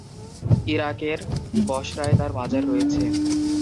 ইরাকের বসরায় তার মাজার রয়েছে।